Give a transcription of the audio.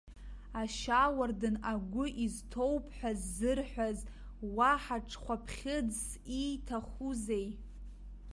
Ашьауардын агәы изҭоуп ҳәа ззырҳәаз уаҳа ҽхәаԥхьыӡс ииҭахузеи!